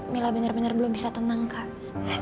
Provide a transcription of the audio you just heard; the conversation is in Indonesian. mila benar benar belum bisa tenang kak